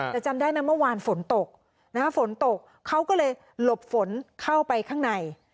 แต่จำได้นะเมื่อวานฝนตกฝนตกเขาก็เลยหลบฝนเข้าไปข้างใน